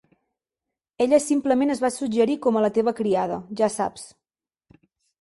Ella simplement es va suggerir com a la teva criada, ja saps.